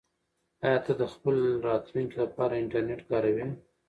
آیا ته د خپل راتلونکي لپاره انټرنیټ کاروې؟